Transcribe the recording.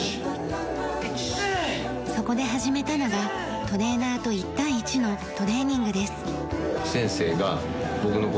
そこで始めたのがトレーナーと１対１のトレーニングです。